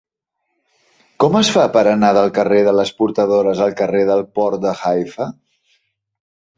Com es fa per anar del carrer de les Portadores al carrer del Port de Haifa?